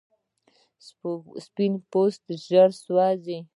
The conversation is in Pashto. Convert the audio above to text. سپین پوستکی ژر سوځي